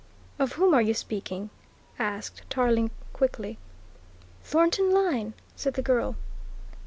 "Of whom are you speaking?" asked Tarling quickly. "Thornton Lyne," said the girl.